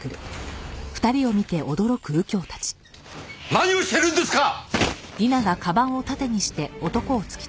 何をしてるんですか！